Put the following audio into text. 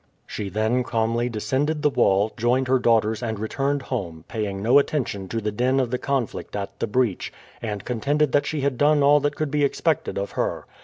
She then calmly descended the wall, joined her daughters and returned home, paying no attention to the din of the conflict at the breach, and contended that she had done all that could be expected of her.